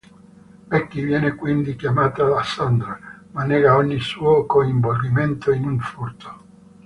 Becky viene quindi chiamata da Sandra, ma nega ogni suo coinvolgimento in un furto.